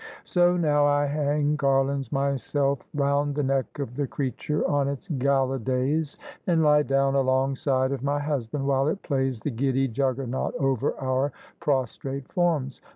So now I hang garlands myself round the neck of the creature on its gala THE SUBJECTION days, and lie down alongside of my husband while it plays the giddy Juggernaut over our prostrate forms.